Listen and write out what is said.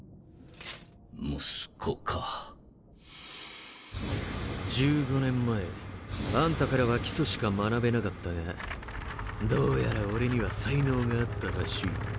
息子か１５年前あんたからは基礎しか学べなかったがどうやら俺には才能があったらしい。